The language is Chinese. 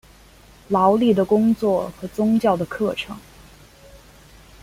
劳力的工作和宗教的课程。